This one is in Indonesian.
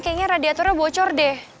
kayaknya radiatornya bocor deh